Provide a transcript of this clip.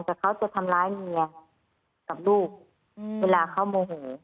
แต่เขาจะทำร้ายเมียกับลูกเวลาเขาโมโห